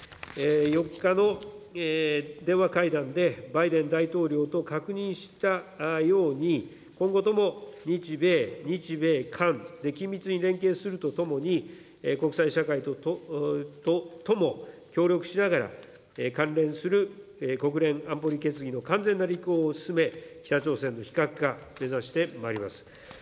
４日の電話会談で、バイデン大統領と確認したように、今後とも日米、日米韓で緊密に連携するとともに、国際社会とも協力しながら、関連する国連安保理決議の完全な履行を進め、北朝鮮の非核化、目指してまいります。